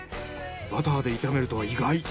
バターで炒めるとは意外。